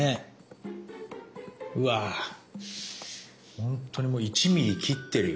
本当にもう１ミリ切ってるよ。